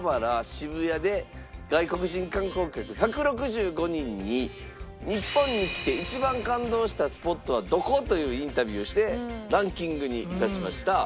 渋谷で外国人観光客１６５人に「日本に来て一番感動したスポットはどこ？」というインタビューをしてランキングにいたしました。